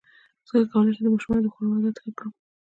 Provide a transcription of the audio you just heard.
څنګه کولی شم د ماشومانو د خوړو عادت ښه کړم